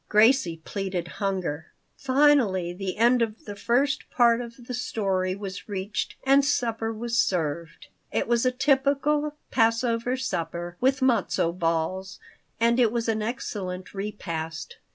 Gracie pleaded hunger Finally the end of the first part of the story was reached and supper was served. It was a typical Passover supper, with matzo balls, and it was an excellent repast.